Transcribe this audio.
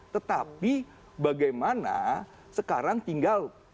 tetapi bagaimana sekarang tinggal